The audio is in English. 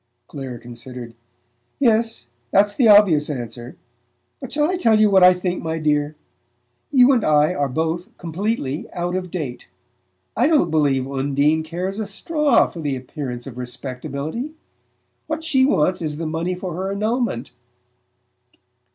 Clare considered. "Yes; that's the obvious answer. But shall I tell you what I think, my dear? You and I are both completely out of date. I don't believe Undine cares a straw for 'the appearance of respectability.' What she wants is the money for her annulment."